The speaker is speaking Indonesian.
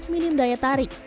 minim daya tarik